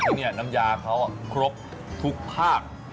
นี่เนี่ยน้ำยาเค้าครบทุกภาค